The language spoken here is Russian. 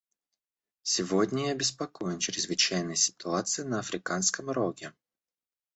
Сегодня я обеспокоен чрезвычайной ситуацией на Африканском Роге.